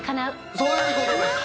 そういうことです。